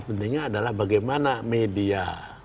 pentingnya adalah bagaimana media